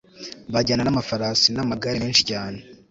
bajyana n'amafarasi n'amagare menshi cyane